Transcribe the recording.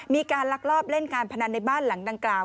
ลักลอบเล่นการพนันในบ้านหลังดังกล่าว